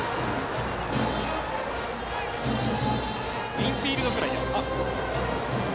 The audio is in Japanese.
インフィールドフライ。